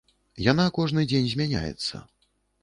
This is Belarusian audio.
Яна кожны дзень змяняецца.